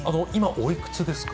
おいくつですか？